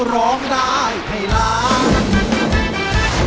ร้องได้ให้ล้าน